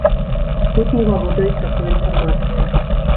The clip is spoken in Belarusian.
Тут не валодаюць такой інфармацыяй!